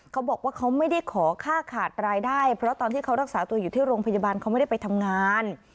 เขาบอกว่าเขาไม่ได้ขอค่าขาดรายได้เพราะตอนที่เขารักษาตัวอยู่ที่โรงพยาบาลเขาไม่ได้ไปทำงาน